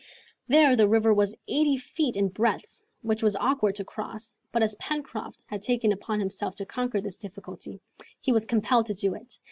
There the river was eighty feet in breadth, which was awkward to cross, but as Pencroft had taken upon himself to conquer this difficulty, he was compelled to do it.